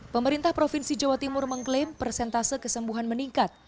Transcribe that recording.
pemerintah provinsi jawa timur mengklaim persentase kesembuhan meningkat